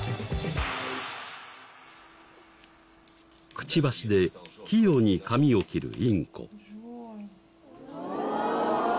くちばしで器用に紙を切るインコ。